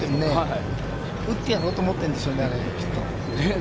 打ってやろうと思ってるんですね、きっと。